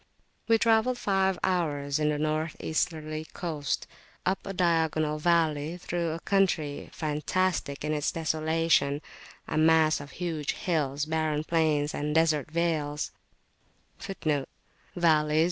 We travelled five hours in a North Easterly course up a diagonal valley,[FN#18] through a country fantastic in its desolation a mass of huge hills, barren plains, and desert vales.